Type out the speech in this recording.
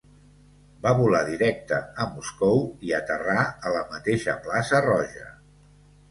Va volar directe a Moscou i aterrà a la mateixa plaça Roja.